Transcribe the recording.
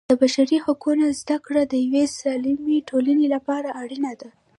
د بشري حقونو زده کړه د یوې سالمې ټولنې لپاره اړینه ده.